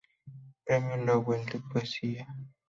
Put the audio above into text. Premio Loewe de Poesía.